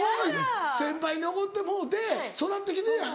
先輩におごってもろうて育ってきてんやん。